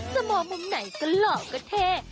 จะมองมุมไหนก็หล่อก็เท่